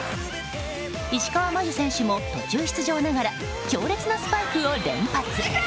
石川真佑選手も途中出場ながら強烈なスパイクを連発。